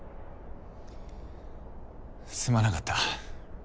すまなかった。